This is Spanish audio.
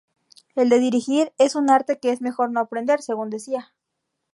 El de dirigir es un arte que es mejor no aprender, según decía.